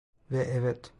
Ve evet.